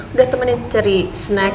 udah temenin cari snack